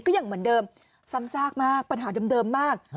ยังเหมือนเดิมซ้ำซากมากปัญหาเดิมมาก